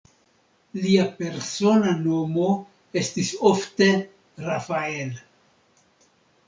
Lia persona nomo estis ofte "Rafael".